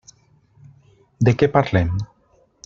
De què parlem?